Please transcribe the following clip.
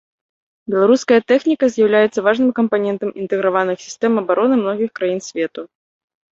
Беларуская тэхніка з'яўляецца важным кампанентам інтэграваных сістэм абароны многіх краін свету.